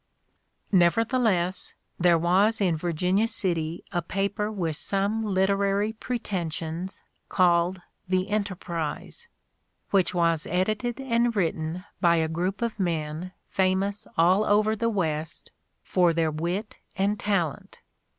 Nevertheless, there was in Virginia City a paper with some literary pretensions called the Enterprise, which was edited and written by a group of men famous all over the West for their wit and talent.